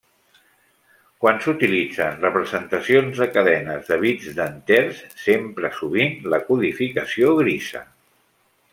Quan s'utilitzen representacions de cadenes de bits d'enters, s'empra sovint la codificació grisa.